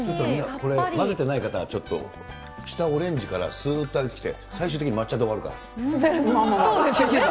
これ、混ぜてない方は、ちょっと、下オレンジからすーっと上げてきて、そうですよね。